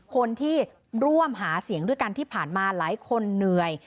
คนที่ร่วมหาเสียงด้วยกันที่ผ่านมาหลายคนเหนื่อย